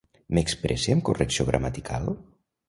M'expresse amb correcció gramatical?